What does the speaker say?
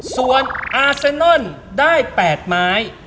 ส่วนอาเซนอนได้๘ไม้